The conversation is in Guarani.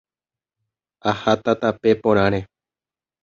Aháta tape porãre.